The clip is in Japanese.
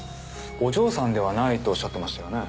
お嬢さんではないとおっしゃってましたよね。